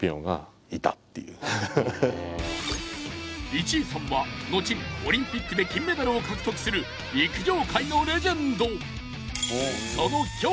１位さんは後にオリンピックで金メダルを獲得する陸上界のレジェンド。